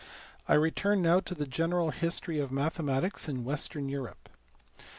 I return now to the general history of mathematics in western Europe.